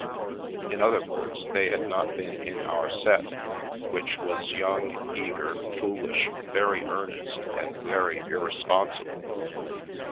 In other words, they had not been " in our set," which was young, eager, foolish, very earnest, and very irresponsible.